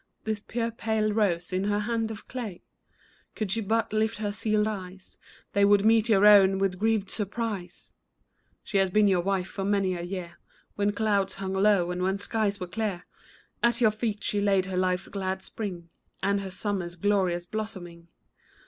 This pure, pale rose in her hand of clay ? Could she but lift her sealed eyes, They would meet your own with a grieved surprise ! She has been your wife for many a year. When clouds hung low and when skies were clear ; At your feet she laid her life's glad spring, And her summer's glorious blossoming.